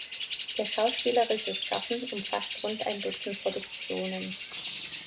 Ihr schauspielerisches Schaffen umfasst rund ein Dutzend Produktionen.